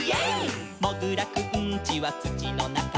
「もぐらくんちはつちのなか」「」